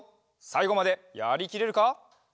さいごまでやりきれるか？